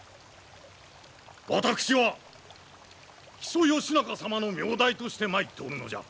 私は木曽義仲様の名代として参っておるのじゃ。